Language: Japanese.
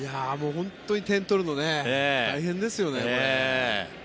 本当に点取るの大変ですよね、これ。